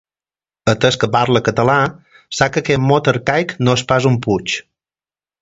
Atès que parla català, sap que aquest mot arcaic no és pas un puig.